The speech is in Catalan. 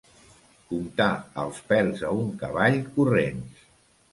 Comptar els pèls a un cavall corrents.